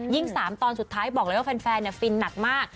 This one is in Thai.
ยิ่งสามตอนสุดท้ายบอกเลยว่าแฟนฟินหนัดมาก